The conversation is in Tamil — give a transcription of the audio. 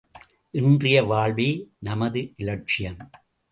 இன்றைய வாழ்வே நமது இலட்சியம்!